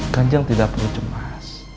kanjang tidak perlu cemas